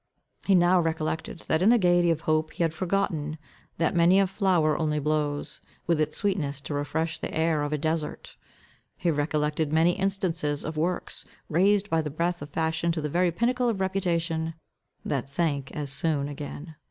He now recollected, what in the gaiety of hope he had forgotten, that many a flower only blows, with its sweetness to refresh the air of a desert. He recollected many instances of works, raised by the breath of fashion to the very pinnacle of reputation, that sunk as soon again.